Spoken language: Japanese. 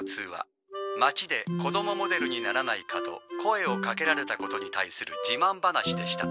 町で子供モデルにならないかと声をかけられたことに対する自慢話でした。